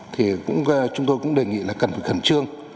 thì chúng tôi cũng đề nghị là cần phải khẩn trương